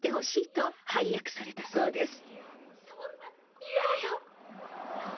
「そんな嫌よ」